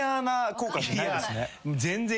全然。